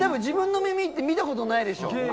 自分の耳って見たことないでしょ。